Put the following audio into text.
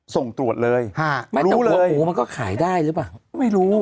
ส่งตรวจเลยฮะไม่แต่หัวหมูมันก็ขายได้หรือเปล่าไม่รู้